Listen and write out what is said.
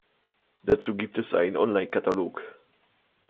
Dazu gibt es einen Online-Katalog.